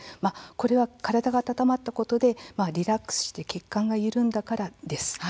これは体が温まってリラックスして血管が緩んだからです。